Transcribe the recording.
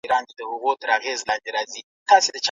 په لابراتوار کې د رنګونو معاینه ترسره سوه.